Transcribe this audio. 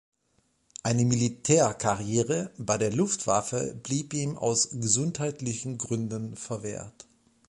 Eine Militärkarriere bei der Luftwaffe blieb ihm aus gesundheitlichen Gründen verwehrt.